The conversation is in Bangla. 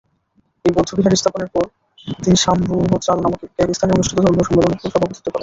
এই বৌদ্ধবিহার স্থাপনের পরে তিনি শাম-বু-ব্চাল নামক এক স্থানে অনুষ্ঠিত ধর্মীয় সম্মেলনে সভাপতিত্ব করেন।